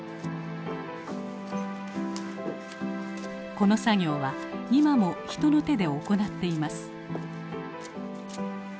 この作業は今も人の手で行っています。